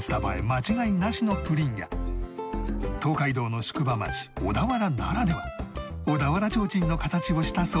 間違いなしのプリンや東海道の宿場町小田原ならでは小田原提灯の形をしたソフトクリーム